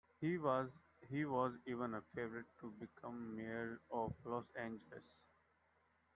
He was even a favorite to become mayor of Los Angeles.